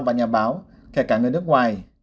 và nhà báo kể cả người nước ngoài